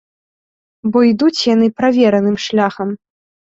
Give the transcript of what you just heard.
Бо ідуць яны правераным шляхам.